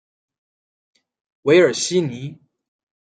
韦尔西尼。